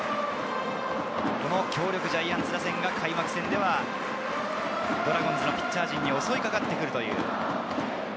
強力ジャイアンツ打線が開幕ではドラゴンズのピッチャー陣に襲いかかっていきます。